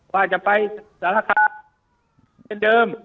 สารคับเพื่อนเดิม